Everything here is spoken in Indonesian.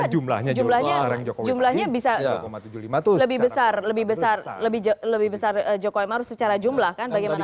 jumlahnya bisa lebih besar jokowi maru secara jumlah kan bagaimanapun